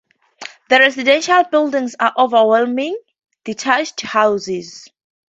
The residential buildings are overwhelmingly detached houses.